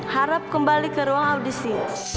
harap kembali ke ruang audisi